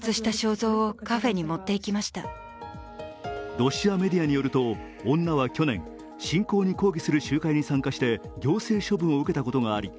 ロシアメディアによると女は去年、侵攻に抗議する集会に参加して行政処分を受けたことがあり